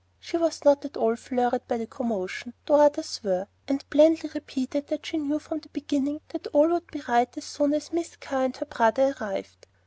She was not at all flurried by the commotion, though others were, and blandly repeated that she knew from the beginning that all would be right as soon as Miss Carr and her brother arrived.